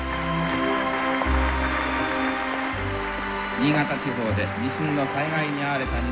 新潟地方で地震の災害に遭われた皆さん